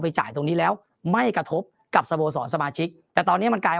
จ่ายตรงนี้แล้วไม่กระทบกับสโมสรสมาชิกแต่ตอนเนี้ยมันกลาย